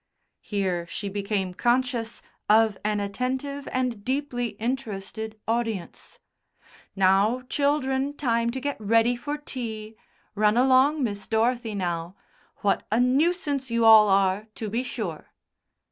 Here she became conscious of an attentive and deeply interested audience. "Now, children, time to get ready for tea. Run along, Miss Dorothy, now. What a nuisance you all are, to be sure."